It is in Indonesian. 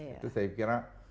itu saya pikirkan